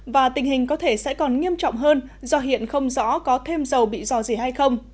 và tình hình có thể sẽ còn nghiêm trọng hơn do hiện không rõ có thêm dầu bị dò gì hay không